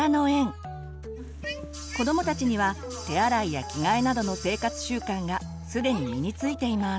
子どもたちには手洗いや着替えなどの生活習慣がすでに身についています。